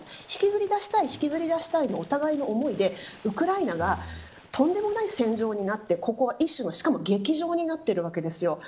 引きずり出したい引きずり出したいのお互いの思いでウクライナがとんでもない戦場になってしかも、ここは一種の劇場になっているわけです。